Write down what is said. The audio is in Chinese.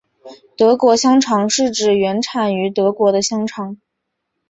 德国香肠是指原产于德国的香肠。